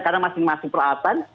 karena masing masing peralatan